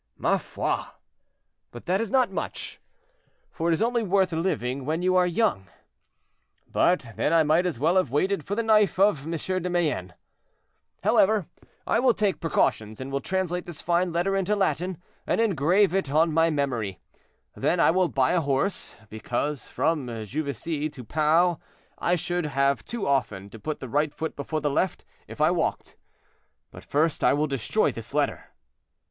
"Ma foi! but that is not much, for it is only worth living when you are young. But then I might as well have waited for the knife of M. de Mayenne. However, I will take precautions, and will translate this fine letter into Latin, and engrave it on my memory; then I will buy a horse, because from Juvisy to Pau I should have too often to put the right foot before the left if I walked—but first I will destroy this letter."